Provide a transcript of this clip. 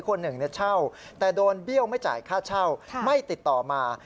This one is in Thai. คนหนึ่งเช่าแต่โดนเบี้ยวไม่จ่ายค่าเช่าไม่ติดต่อมา